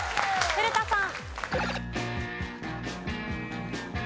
濱田さん。